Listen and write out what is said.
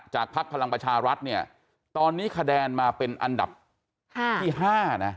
พักพลังประชารัฐเนี่ยตอนนี้คะแนนมาเป็นอันดับ๕ที่๕นะ